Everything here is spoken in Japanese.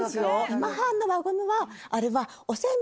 今半の輪ゴムはあれは。